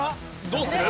どうする？